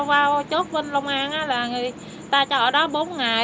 nó nói đi về rồi bao chốt bên long an là người ta cho ở đó bốn ngày